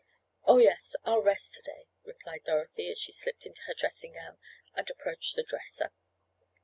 "Oh, yes, I'll rest to day," replied Dorothy, as she slipped into her dressing gown and approached the dresser.